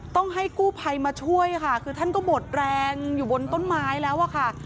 ต้องให้กู้ภัยมาช่วยค่ะคือท่านก็หมดแรงอยู่บนต้นไม้แล้วอะค่ะ